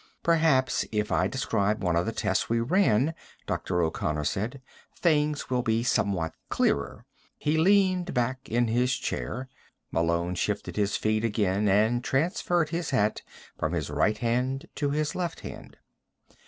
"Perhaps if I describe one of the tests we ran," Dr. O'Connor said, "things will be somewhat clearer." He leaned back in his chair. Malone shifted his feet again and transferred his hat from his right hand to his left hand.